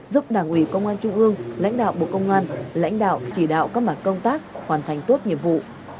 giúp đảng ủy công an trung ương lãnh đạo bộ công an lãnh đạo chỉ đạo các mặt công tác hoàn thành tốt nhiệm vụ